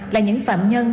là những phạm nhân